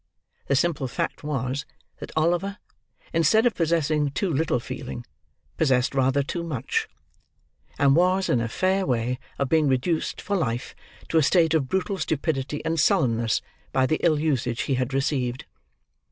The simple fact was, that Oliver, instead of possessing too little feeling, possessed rather too much; and was in a fair way of being reduced, for life, to a state of brutal stupidity and sullenness by the ill usage he had received.